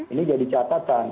ini jadi catatan